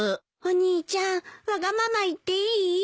お兄ちゃんわがまま言っていい？